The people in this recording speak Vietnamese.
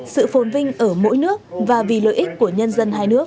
sự phồn vinh ở mỗi nước và vì lợi ích của nhân dân hai nước